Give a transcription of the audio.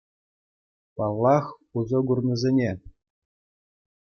Паллах, усӑ курнисене.